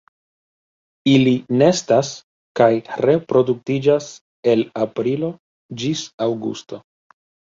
Ili nestas kaj reproduktiĝas el aprilo ĝis aŭgusto.